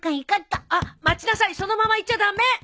あっ待ちなさいそのまま行っちゃ駄目。